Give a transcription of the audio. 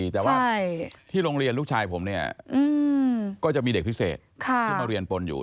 แต่ว่าที่โรงเรียนลูกชายผมเนี่ยก็จะมีเด็กพิเศษที่มาเรียนปนอยู่